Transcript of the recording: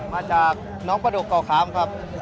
มาจากน้องประดกเกาะขามครับ